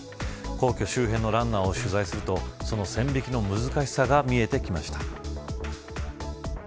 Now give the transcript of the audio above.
皇居周辺のランナーを取材するとその線引きの難しさが見えてきました。